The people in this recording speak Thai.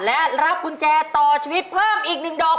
และรับกุญแจต่อชีวิตเพิ่มอีก๑ดอก